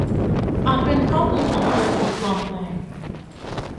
อาจเป็นเพราะมือของเธอถูกปลอมแปลง